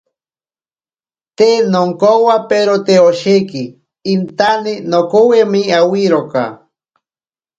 Te nonkowaperote osheki, intane nokovwime awiroka.